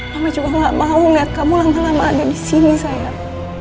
mama juga gak mau liat kamu lama lama ada disini sayang